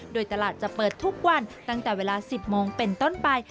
โดยตลาดจะเปิดทุกวันตั้งแต่เวลา๑๐โมงเป็นต้นไป